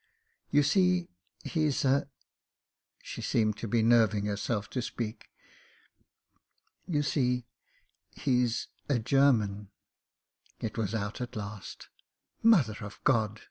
"You see, he's a " She seemed to be nerving herself to speak. "You see, he's a German !" It was out at last. "Mother of God!"